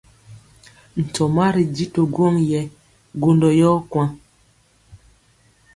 Ntɔma ri ji to gwɔŋ yɛ gwondɔ yɔ kwaŋ.